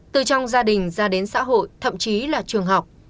từ trong gia đình ra đến xã hội thậm chí là trường học